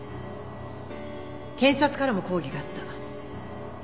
検察からも抗議があった。